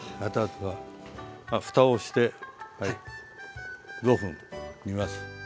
あっふたをして５分煮ます。